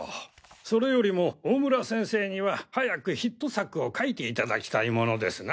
それよりも大村先生には早くヒット作を書いていただきたいものですな。